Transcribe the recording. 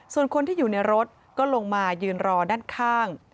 ส่วนคนที่อยู่ในรถก็ลงมายืนรอด้านข้าง